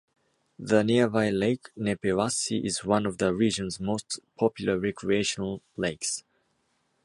The nearby Lake Nepewassi is one of the region's most popular recreational lakes.